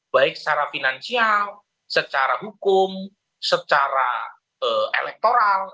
baik secara finansial secara hukum secara elektoral